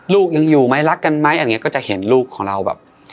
ลูกยังอยู่ไหมรักกันไหมอะไรอย่างเงี้ก็จะเห็นลูกของเราแบบ